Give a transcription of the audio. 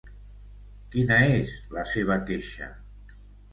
Quina és la seva queixa?